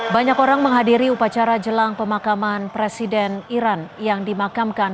banyak orang menghadiri upacara jelang pemakaman presiden iran yang dimakamkan